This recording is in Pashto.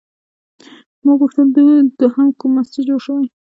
ما وپوښتل دوهم کوم مسجد جوړ شوی؟